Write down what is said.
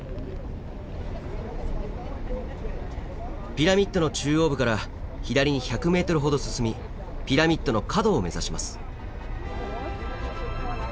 ピラミッドの中央部から左に１００ｍほど進みピラミッドの角を目指します。